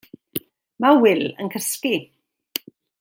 Mae Wil yn cysgu.